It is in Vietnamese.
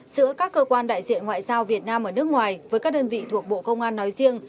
giữa các cơ quan đại diện ngoại giao việt nam ở nước ngoài với các đơn vị thuộc bộ công an nói riêng